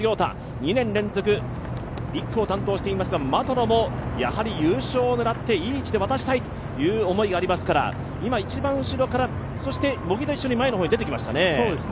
２年連続、１区を担当していますが、的野も優勝を狙っていい位置で渡したいという思いがありますから今、一番後ろから、そして茂木と一緒に前の方に出てきましたね。